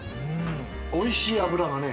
おいしい脂がね